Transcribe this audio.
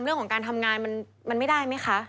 เรื่องของการทำงานมันไม่ได้ไหมคะ